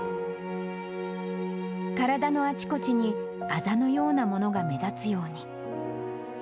体のあちこちにアザのようなものが目立つように。